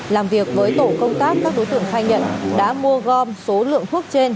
làm việc với tổ công tác các đối tượng khai nhận đã mua gom số lượng thuốc trên